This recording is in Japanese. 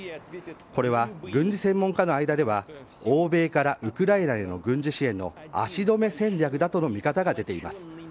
これは軍事専門家の間では欧米からウクライナへの軍事支援の足止め戦略だとの見方が出ています。